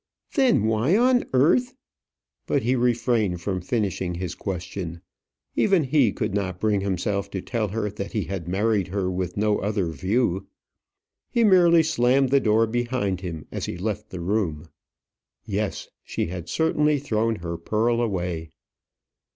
"Then, why on earth ?" But he refrained from finishing his question. Even he could not bring himself to tell her that he had married her with no other view. He merely slammed the door behind him as he left the room. Yes; she had certainly thrown her pearl away.